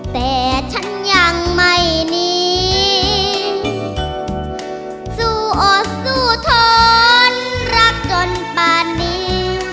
แต่ฉันยังไม่หนีสู้อดสู้ท้อนรักจนป่านนี้